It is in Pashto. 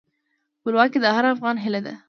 خپلواکي د هر افغان هیله ده.